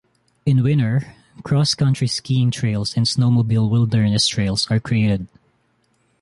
In winter, cross country skiing trails and snowmobile wilderness trails are created.